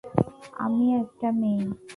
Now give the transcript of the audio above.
আমি একটা মেয়ে।